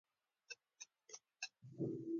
د وليانو او پيغمبرانو د زغم کيسې يې تېرې کړې.